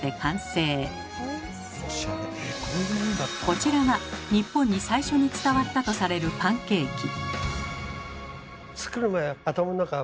こちらが日本に最初に伝わったとされるパンケーキ。